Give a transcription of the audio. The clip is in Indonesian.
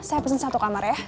saya pesan satu kamar ya